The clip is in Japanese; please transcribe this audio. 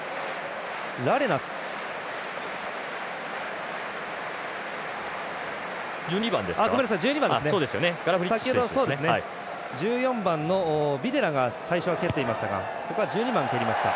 ラレナス１４番、ビデラが最初は蹴っていましたがここは１２番が蹴りました。